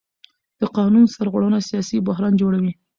د قانون سرغړونه سیاسي بحران جوړوي